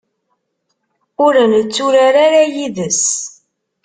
Ur netturar ara yid-s.